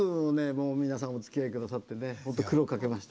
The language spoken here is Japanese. もう皆さんおつきあいくださってね本当苦労かけました。